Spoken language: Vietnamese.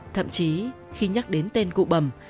thậm chí khi nhắc đến tên cụ bầm